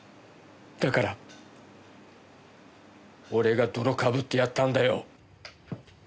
だから俺が泥被ってやったんだよ。